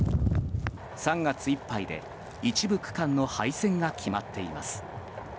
３月いっぱいで一部区間の廃線が決まっています。